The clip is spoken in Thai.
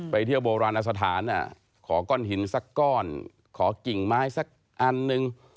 ไปเที่ยวโบราณอสถานขอก้อนหินสักก้อนขอกิ่งไม้สักอันนึง